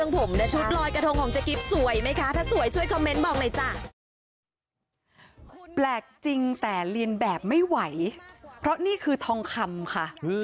แปลกจริงแต่เรียนแบบไม่ไหวเพราะนี่คือทองคำค่ะ